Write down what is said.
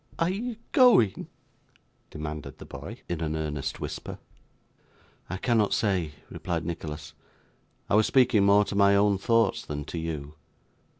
'Are you going?' demanded the boy, in an earnest whisper. 'I cannot say,' replied Nicholas. 'I was speaking more to my own thoughts, than to you.